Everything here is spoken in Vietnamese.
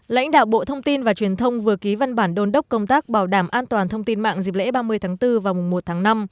lãnh đạo bộ thông tin và truyền thông vừa ký văn bản đôn đốc công tác bảo đảm an toàn thông tin mạng dịp lễ ba mươi tháng bốn và mùa một tháng năm